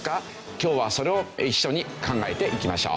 今日はそれを一緒に考えていきましょう。